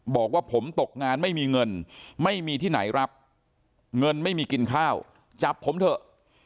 บอกว่าผมตกงานไม่มีเงินไม่มีที่ไหนรับเงินไม่มีกินข้าวจับผมเถอะ